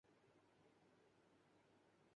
جیسے میرے بچے چاہتے ہیں۔